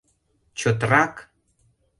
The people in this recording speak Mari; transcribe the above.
Чотрак!